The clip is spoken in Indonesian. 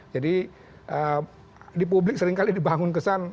di publik seringkali dibangun kesan